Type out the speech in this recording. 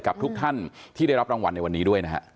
กับทุกท่านที่ได้รับรางวัลในวันนี้ด้วยนะฮะ